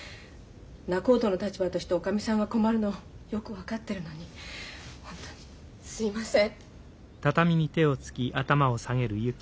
仲人の立場としておかみさんが困るのよく分かってるのに本当にすいません。